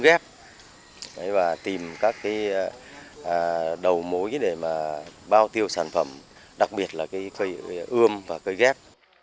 ubnd tìm các đầu mối để bao tiêu sản phẩm đặc biệt là cây ươm và cây ghép